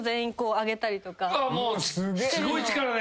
すごい力で。